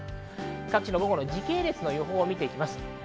各地の午後の時系列を見てきます。